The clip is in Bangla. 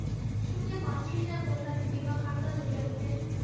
শুনিয়া মাতৃহীনা কন্যার দিদিমা কান্না জুড়িয়া দিলেন।